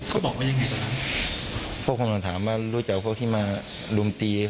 เขาบอกว่ายังไงพวกคนต้องถามว่ารู้จักว่าพวกที่มาดุมตี